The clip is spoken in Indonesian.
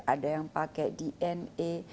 ada yang pakai dna